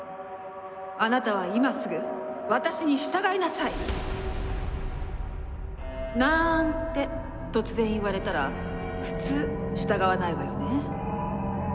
「あなたは今すぐ私に従いなさい！」。なんて突然言われたら普通従わないわよね。